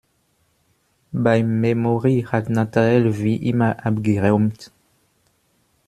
Beim Memory hat Nathanael wie immer abgeräumt.